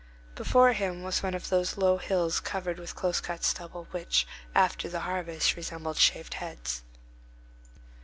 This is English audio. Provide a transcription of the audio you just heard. Before him was one of those low hills covered with close cut stubble, which, after the harvest, resemble shaved heads.